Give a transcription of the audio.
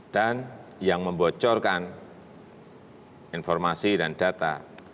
dan yang membocorkan informasi dan data